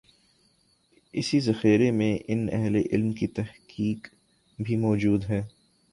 اسی ذخیرے میں ان اہل علم کی تحقیق بھی موجود ہے۔